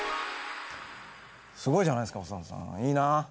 すごいじゃないですか細野さん。いいな。